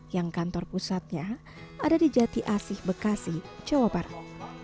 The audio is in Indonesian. yang kantor pusatnya ada di jati asih bekasi jawa barat